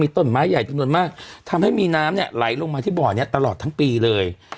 ต้นไม้ใหญ่จำนวนมากทำให้มีน้ำเนี่ยไหลลงมาที่บ่อนี้ตลอดทั้งปีเลย